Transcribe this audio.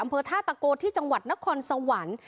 อำเภอท่าตะโกที่จังหวัดนครสวรรค์